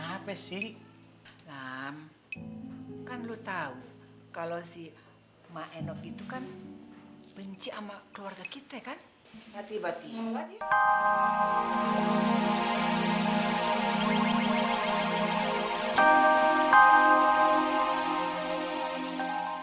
sebagai tangking taco terus pani eh kalau ada yangriage kami maka suguhray kita harus berani tapi kamu breeume kamu merata semogaopusnya kamu bertengger comotikan